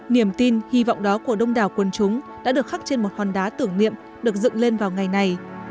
niềm tin hy vọng đó của đông đảo quân chúng đã được khắc trên một hòn đá tưởng niệm được dựng lên vào ngày này